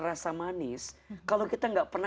rasa manis kalau kita nggak pernah